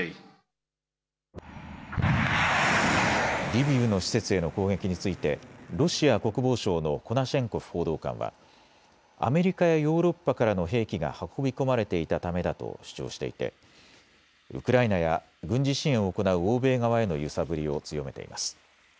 リビウの施設への攻撃についてロシア国防省のコナシェンコフ報道官はアメリカやヨーロッパからの兵器が運び込まれていたためだと主張していてウクライナや軍事支援を行う欧米側への揺さぶりを強めています。